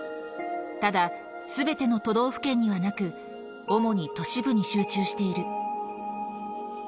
ただ、すべての都道府県にはなく、主に都市部に集中している。